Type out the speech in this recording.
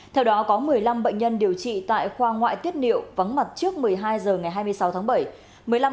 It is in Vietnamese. theo đó có một mươi năm bệnh nhân điều trị tại khoa ngoại tiết niệu vắng mặt trước một mươi hai h ngày hai mươi sáu tháng bảy